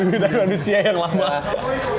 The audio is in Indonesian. bumi dan manusia yang lama